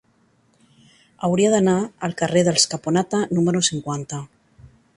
Hauria d'anar al carrer dels Caponata número cinquanta.